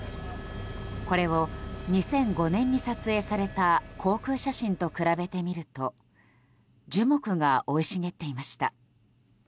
これを２００５年に撮影された航空写真と比べてみると樹木が生い茂っていました。